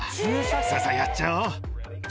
さあさあ、やっちゃおう。